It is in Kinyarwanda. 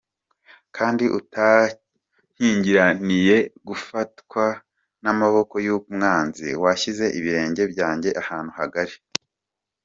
Kandi utankingiraniye gufatwa n’amaboko y’umwanzi, Washyize ibirenge byanjye ahantu hagari.